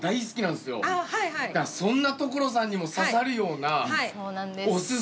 そんな所さんにも刺さるような。